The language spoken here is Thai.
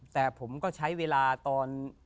แต่ผมก็ใช้เวลาตอน